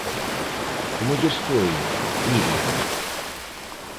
Como lles foi, Iria?